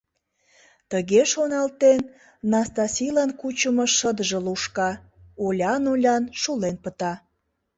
Тыге шоналтен, Настасилан кучымо шыдыже лушка, олян-олян шулен пыта.